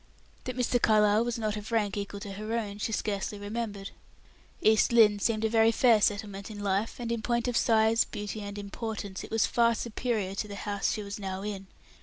That Mr. Carlyle was not of rank equal to her own, she scarcely remembered; East Lynne seemed a very fair settlement in life, and in point of size, beauty and importance, it was far superior to the house she was now in.